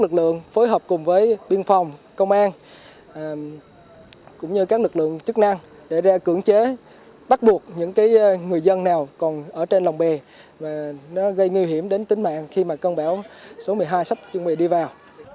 chức năng để ra cưỡng chế bắt buộc những người dân nào còn ở trên lồng bè và nó gây nguy hiểm đến tính mạng khi mà cơn bão số một mươi hai sắp chuẩn bị đi vào